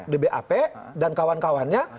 di bap dan kawan kawannya